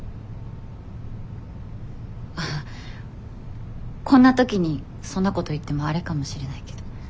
あっこんな時にそんなこと言ってもあれかもしれないけど。